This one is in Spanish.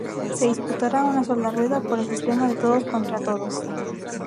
Se disputará a una sola rueda, por el sistema de todos contra todos.